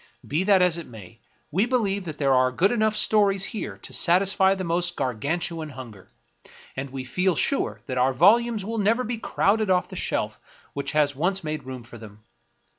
Be that as it may, we believe that there are enough good stories here to satisfy the most Gargantuan hunger, and we feel sure that our volumes will never be crowded off the shelf which has once made room for them.